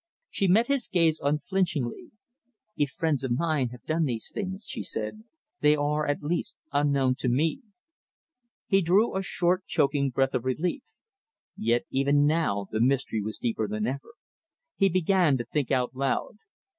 She met his gaze unflinchingly. "If friends of mine have done these things," she said, "they are at least unknown to me!" He drew a short choking breath of relief. Yet even now the mystery was deeper than ever! He began to think out loud.